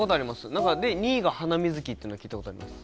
なんか２位がハナミズキというのは聞いたことあります。